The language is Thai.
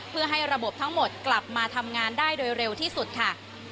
เพื่อให้ระบบทั้งหมดกลับมาทำงานได้โดยเร็วที่สุดค่ะ